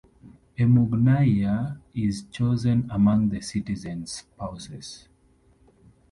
A "Mugnaia" is chosen among the citizens spouses.